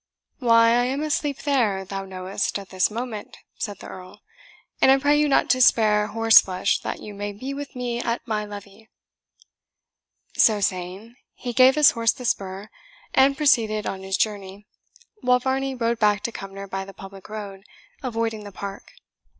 "Why, I am asleep there, thou knowest, at this moment," said the Earl; "and I pray you not to spare horse flesh, that you may be with me at my levee." So saying, he gave his horse the spur, and proceeded on his journey, while Varney rode back to Cumnor by the public road, avoiding the park.